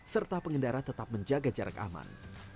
serta pengendara tetap menjaga jarak aman